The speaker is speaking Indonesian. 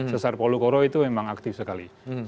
sesar polu koro itu memang aktif sekali